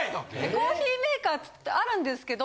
コーヒーメーカーあるんですけど。